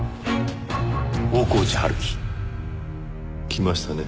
「大河内春樹」来ましたね